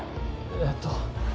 えっと。